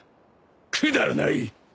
くだらない！